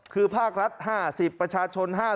คือภาครัฐ๕๐ประชาชน๕๐